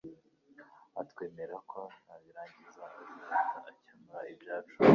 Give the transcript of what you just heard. atwemerera ko nabirangiza azahita akemura ibyacu,